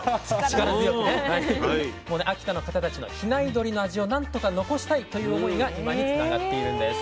秋田の方たちの比内鶏の味を何とか残したいという思いが今につながっているんです。